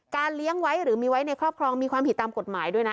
เลี้ยงไว้หรือมีไว้ในครอบครองมีความผิดตามกฎหมายด้วยนะ